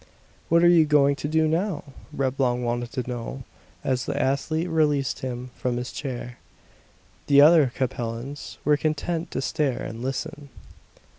"What are you going to do now?" Reblong wanted to know as the athlete released him from his chair. The other Capellans were content to stare and listen.